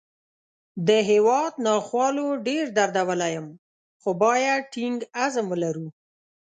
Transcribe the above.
د هیواد ناخوالو ډېر دردولی یم، خو باید ټینګ عزم ولرو